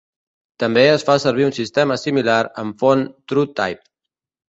També es fa servir un sistema similar amb font TrueType.